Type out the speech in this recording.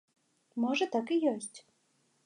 Можа так і ёсць.